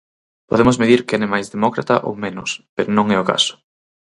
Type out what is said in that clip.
Podemos medir quen é máis demócrata ou menos, pero non é o caso.